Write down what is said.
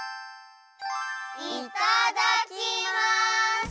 いただきます！